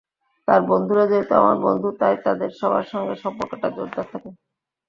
তার বন্ধুরা যেহেতু আমারও বন্ধু, তাই তাদের সবার সঙ্গে সম্পর্কটাও জোরদার থাকে।